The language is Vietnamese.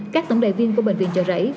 các tổng đại viên của bệnh viện chợ rẫy